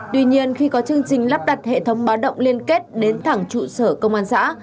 tuy nhiên khi có chương trình lắp đặt hệ thống báo động liên kết đến thẳng trụ sở công an xã